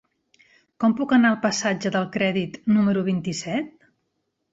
Com puc anar al passatge del Crèdit número vint-i-set?